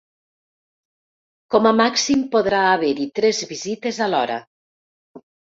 Com a màxim podrà haver-hi tres visites alhora.